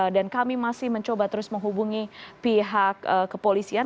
dan kami masih mencoba terus menghubungi pihak kepolisian